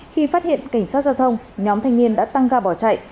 khi phát hiện cảnh sát giao thông nhóm thanh niên đã tăng ga bỏ chạy